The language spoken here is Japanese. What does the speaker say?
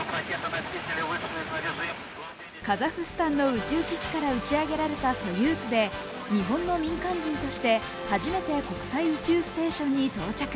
カザフスタンの宇宙基地から打ち上げられたソユーズで日本の民間人として初めて国際宇宙ステーションに到着。